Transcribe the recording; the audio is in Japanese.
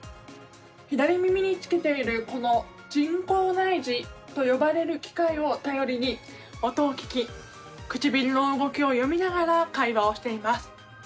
左耳につけているこの人工内耳と呼ばれる機械を頼りに、音を聞き唇の動きを読みながら会話をしています。